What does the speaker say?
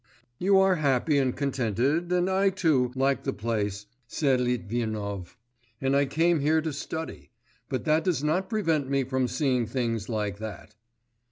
'You are happy and contented, and I too like the place,' said Litvinov, 'and I came here to study; but that does not prevent me from seeing things like that.